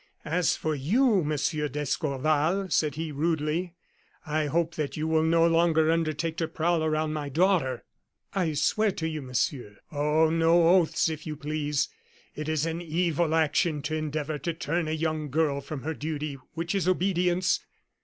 "As for you, Monsieur d'Escorval," said he, rudely, "I hope that you will no longer undertake to prowl around my daughter " "I swear to you, Monsieur " "Oh, no oaths, if you please. It is an evil action to endeavor to turn a young girl from her duty, which is obedience.